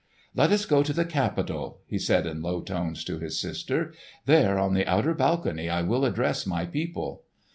"Let us go to the Capitol," he said in low tones to his sister. "There on the outer balcony I will address my people."